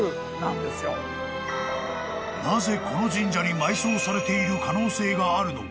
［なぜこの神社に埋葬されている可能性があるのか？］